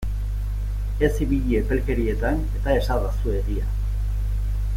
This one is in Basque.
Ez ibili epelkerietan eta esadazu egia!